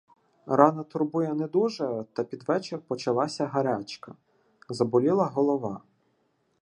Рана турбує не дуже, та під вечір почалася гарячка, заболіла голова.